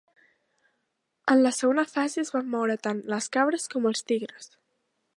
En la segona fase es van moure tant les cabres com els tigres.